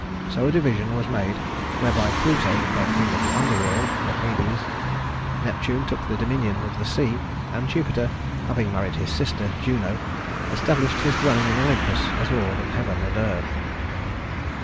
So a division was made whereby Pluto became king of the underworld or Hades; Neptune took the dominion of the sea; and Jupiter, having married his sister, Juno, established his dwelling in Olympus as lord of heaven and earth.